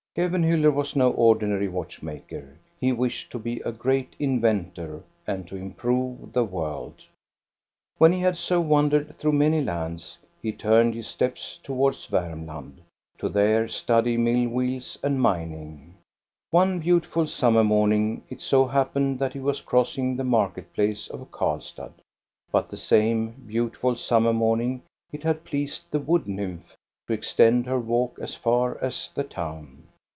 Kevenhuller was no ordinary watch maker; he wished to be a great inventor and to improve the world. 27 4l8 THE STORY OF GOSTA BE RUNG When he had so wandered through many lands, he turned his steps towards Varmland, to there study mill wheels and mining. One beautiful summer morning it so happened that he was crossing the market place of Karlstad. But that same beautiful summer morning it had pleased the wood nymph to extend her walk as far as the town.